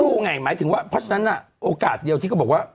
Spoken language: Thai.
ไงหมายถึงว่าเพราะฉะนั้นโอกาสเดียวที่เขาบอกว่า